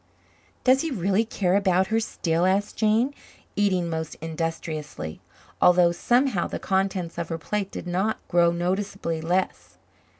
"Does he really care about her still?" asked Jane, eating most industriously, although somehow the contents of her plate did not grow noticeably less.